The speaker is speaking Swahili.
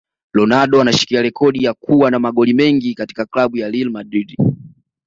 Ronaldo anashikilia rekodi ya kua na magoli mengi katika club ya Real Madrid